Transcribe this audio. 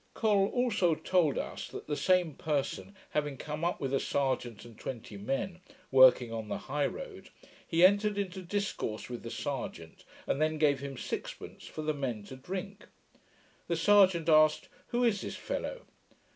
Col also told us, that the same person having come up with a serjeant and twenty men, working on the high road, he entered into discourse with the serjeant, and then gave him sixpence for the men to drink. The serjeant asked, 'Who is this fellow?'